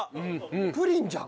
プリンじゃん！